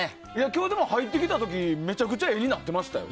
今日入ってきた時めちゃくちゃ絵になってましたよ。